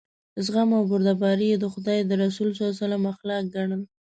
زغم او بردباري یې د خدای د رسول صلی الله علیه وسلم اخلاق ګڼل.